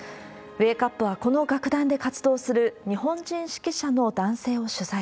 ウェークアップは、この楽団で活動する、日本人指揮者の男性を取材。